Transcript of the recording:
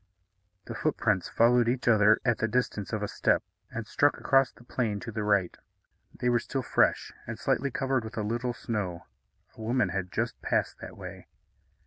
The footprints followed each other at the distance of a step, and struck across the plain to the right. They were still fresh, and slightly covered with little snow. A woman had just passed that way.